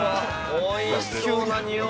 おいしそうな匂い。